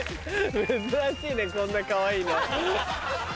珍しいねこんなかわいいの。